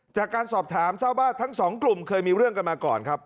จากการสอบถามทราบว่าทั้งสองกลุ่มเคยมีเรื่องกันมาก่อนครับ